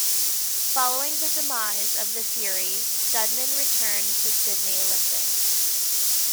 Following the demise of the Fury, Studman returned to Sydney Olympic.